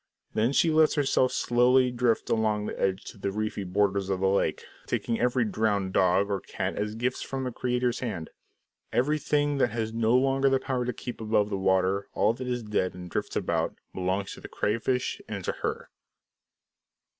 Then she lets herself slowly drift along the edge to the reedy borders of the lake, taking every drowned dog or cat as gifts from the Creator's hand. Everything that has no longer the power to keep above the water, all that is dead and drifts about, belongs to the crayfish and to her.